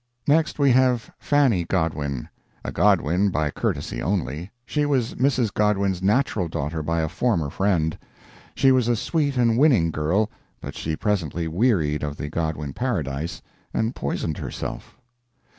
Next we have Fanny Godwin a Godwin by courtesy only; she was Mrs. Godwin's natural daughter by a former friend. She was a sweet and winning girl, but she presently wearied of the Godwin paradise, and poisoned herself.